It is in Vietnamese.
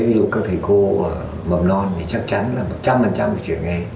tới ví dụ các thầy cô mầm non thì chắc chắn là một trăm linh phải chuyển nghề